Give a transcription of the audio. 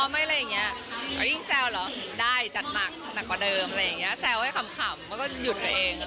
ทีนี้ยิ่งแซวเหรอได้จัดหนักหนักกว่าเดิมแซวให้ขำแล้วก็หยุดกันเอง